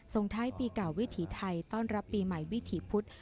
ส่งท้ายปีเก่าวิถีไทยต้อนรับปีใหม่วิถีพุธ